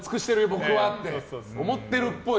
僕はって思ってるっぽい。